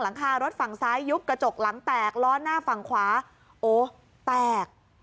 หลังคารถฝั่งซ้ายยุบกระจกหลังแตกล้อหน้าฝั่งขวาโอ้แตก